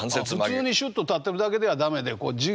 普通にシュッと立ってるだけでは駄目でこうジジジグ。